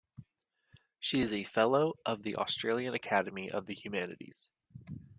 She is a fellow of the Australian Academy of the Humanities.